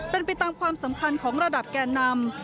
เป็นไปตามความสำคัญของระดับแก่นำ